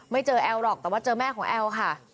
ไม่เจอแอลหรอกแต่ว่าเจอแม่ของแอลค่ะ